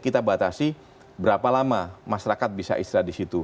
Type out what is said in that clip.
kita batasi berapa lama masyarakat bisa istirahat di situ